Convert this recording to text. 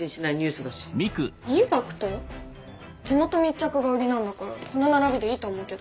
地元密着が売りなんだからこの並びでいいと思うけど。